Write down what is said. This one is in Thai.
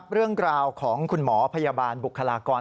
เรื่องราวของคุณหมอพยาบาลบุคลากร